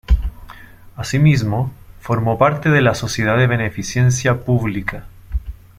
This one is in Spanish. Asimismo, formó parte de la Sociedad de Beneficencia Pública.